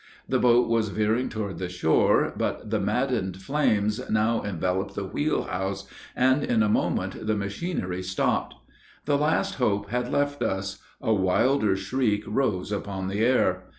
The boat was veering toward the shore, but the maddened flames now enveloped the wheel house, and in a moment the machinery stopped. The last hope had left us a wilder shriek rose upon the air.